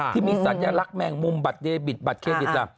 ที่มีสัญลักษณ์แมงมุมบัตรเดบิตบัตรเครดิตล่ะ